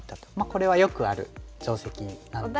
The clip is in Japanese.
これはよくある定石なんですが。